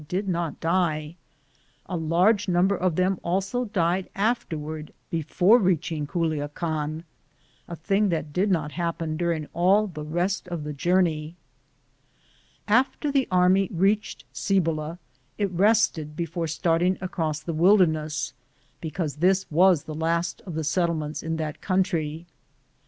128 ligirized I:, G00gk' THE JOURNEY OP CORONADO afterward before reaching Culiaean, a thing that did not happen during all the rest of the journey. After the army reached Cibola, it rested before starting across the wilderness, because this was the last of the settlements in that country.